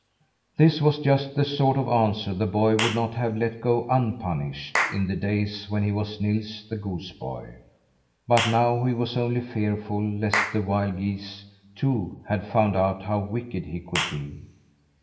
This was just the sort of answer the boy would not have let go unpunished, in the days when he was Nils the goose boy. But now he was only fearful lest the wild geese, too, had found out how wicked he could be.